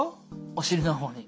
お尻の方に。